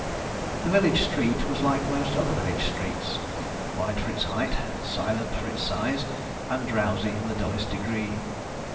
The village street was like most other village streets: wide for its height, silent for its size, and drowsy in the dullest degree.